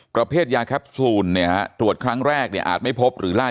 ประเภทยาแคปซูลเนี่ยฮะตรวจครั้งแรกเนี่ยอาจไม่พบหรือไล่